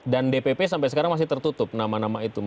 dan dpp sampai sekarang masih tertutup nama nama itu